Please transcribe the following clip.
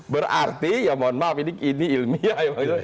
berarti ya mohon maaf ini ilmiah ya pak jokowi